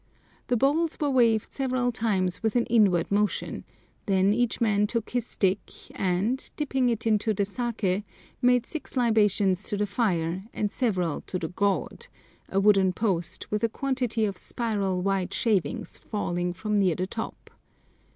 The bowls were waved several times with an inward motion, then each man took his stick and, dipping it into the saké, made six libations to the fire and several to the "god"—a wooden post, with a quantity of spiral white shavings falling from near the top.